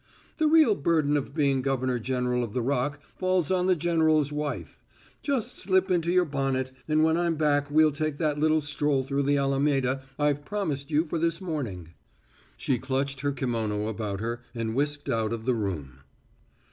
"The real burden of being governor general of the Rock falls on the general's wife. Just slip into your bonnet, and when I'm back we'll take that little stroll through the Alameda I've promised you for this morning." She clutched her kimono about her and whisked out of the room.